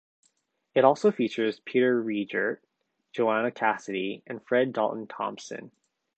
It also features Peter Riegert, Joanna Cassidy and Fred Dalton Thompson.